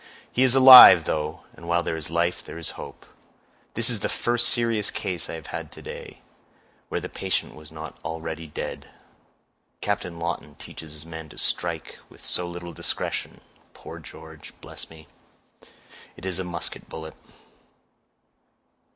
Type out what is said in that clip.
"He is alive, though, and while there is life there is hope. This is the first serious case I have had to day, where the patient was not already dead. Captain Lawton teaches his men to strike with so little discretion—poor George—bless me, it is a musket bullet."